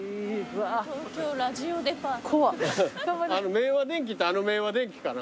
明和電機ってあの明和電機かな？